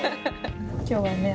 今日はね